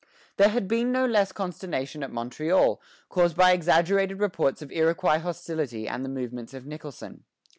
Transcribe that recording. There had been no less consternation at Montreal, caused by exaggerated reports of Iroquois hostility and the movements of Nicholson.